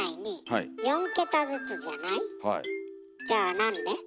じゃあなんで？